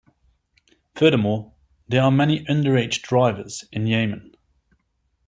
Furthermore, there are many underage drivers in Yemen.